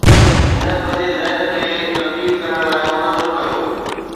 هن پنهنجي ذهن کي تبديل ڪرڻ لاء منظم ڪيو